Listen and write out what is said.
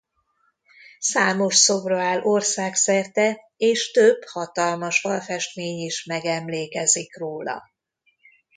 Számos szobra áll országszerte és több hatalmas falfestmény is megemlékezik róla.